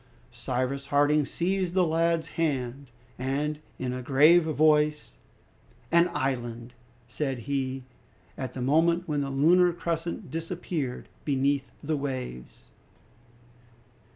Cyrus Harding seized the lad's hand, and in a grave voice, "An island!" said he, at the moment when the lunar crescent disappeared beneath the waves.